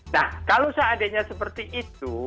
nah kalau seandainya seperti itu